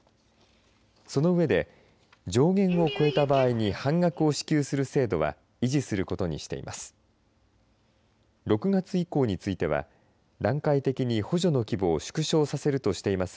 その上で、上限を超えた場合に半額を支給する制度は維持することにしています。